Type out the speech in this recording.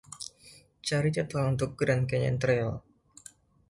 Cari jadwal untuk Grand Canyon Trail.